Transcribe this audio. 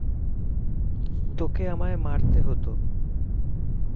তোকে আমায় মারতে হতো!